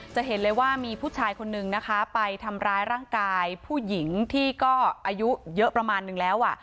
จะเห็นเลยว่ามีผู้ชายคนนึงนะคะไปทำร้ายร่างกายผู้หญิงที่ก็อายุเยอะประมาณนึงแล้วอ่ะ